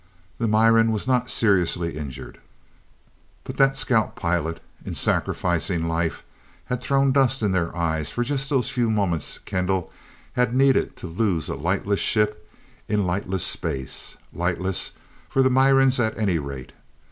The Miran was not seriously injured. But that scout pilot, in sacrificing life, had thrown dust in their eyes for just those few moments Kendall had needed to lose a lightless ship in lightless space lightless for the Mirans at any rate.